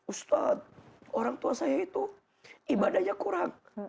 ustadz orang tua saya itu ibadahnya kurang